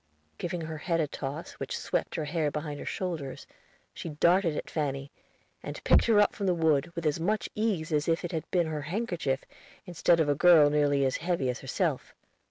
Giving her head a toss, which swept her hair behind her shoulders, she darted at Fanny, and picked her up from the wood, with as much ease as if it had been her handkerchief, instead of a girl nearly as heavy as herself.